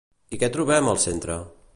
I què trobem al centre?